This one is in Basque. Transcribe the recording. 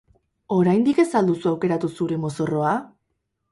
Oraindik ez al duzu aukeratu zure mozorroa?